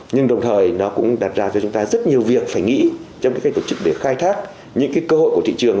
nhưng đồng thời nó cũng đặt ra cho chúng ta rất nhiều việc phải nghĩ trong cái cách tổ chức để khai thác những cái cơ hội của thị trường